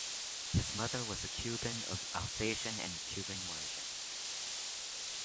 His mother was a Cuban of Alsatian and Cuban origin.